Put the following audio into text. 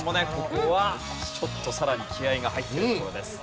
ここはちょっとさらに気合が入ってくるところです。